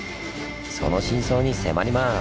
その真相に迫ります！